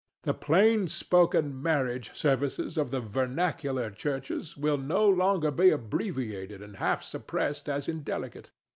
The plain spoken marriage services of the vernacular Churches will no longer be abbreviated and half suppressed as indelicate.